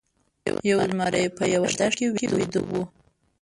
یو زمری په یوه دښته کې ویده و.